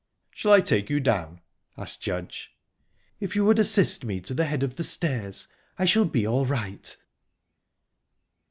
"Shall I take you down?" asked Judge. "If you would assist me to the head of the stairs, I shall be all right."